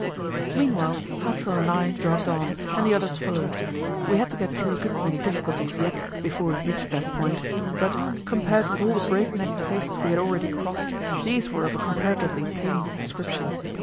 Meanwhile Hassel and I jogged on, and the others followed. We had to get through a good many difficulties yet before we reached that point, but, compared with all the breakneck places we had already crossed, these were of a comparatively tame description.